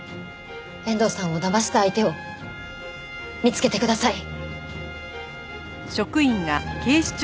遠藤さんをだました相手を見つけてください。